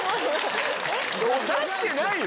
えっ？出してないよ。